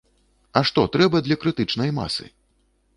А што трэба для крытычнай масы?